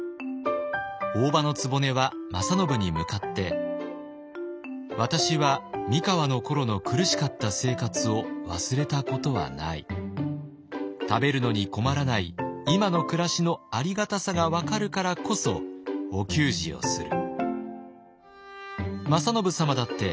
大姥局は正信に向かって「私は三河の頃の苦しかった生活を忘れたことはない。食べるのに困らない今の暮らしのありがたさが分かるからこそお給仕をする」。